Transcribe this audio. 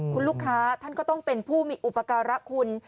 คุณลูกค้าท่านก็ต้องเป็นผู้มีอุปการะคุณ